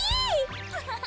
アハハハ。